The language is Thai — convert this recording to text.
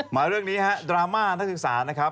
มาเรื่องนี้ฮะดราม่านักศึกษานะครับ